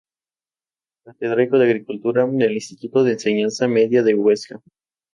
Catedrático de Agricultura del Instituto de Enseñanza Media de Huesca.